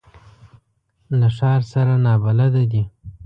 له ښار سره نابلده دي.